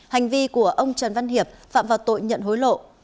hành vi của ông trần văn hiệp phạm vào tội nhận hối lộ